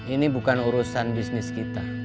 ini bukan urusan bisnis kita